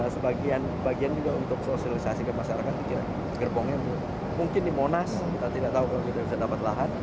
sebagian bagian juga untuk sosialisasi ke masyarakat di gerbongnya mungkin di monas kita tidak tahu kalau tidak bisa dapat lahan